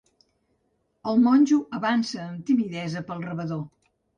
El monjo avança amb timidesa pel rebedor.